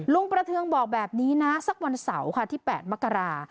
ประเทืองบอกแบบนี้นะสักวันเสาร์ค่ะที่๘มกรา